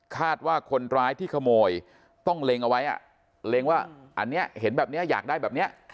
คาดว่าคนร้ายที่ขโมยต้องเล็งเอาไว้เล็งว่าอันนี้เห็นแบบนี้อยากได้แบบนี้